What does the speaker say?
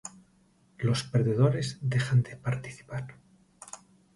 Los perdedores dejan de participar.